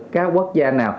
các quốc gia nào